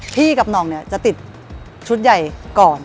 พี่กับน้องจะติดชุดใหญ่ก่อน